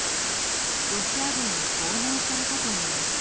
ロシア軍に拷問されたといいます。